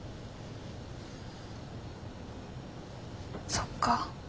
そっか。